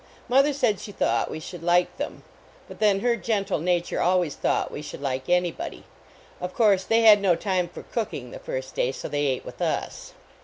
Mother said she thought we should like them; but tlu n lu r gentle nature always thought \vc should like anybody. Of course, they had no time for cooking the tir>t day, so they ate with us.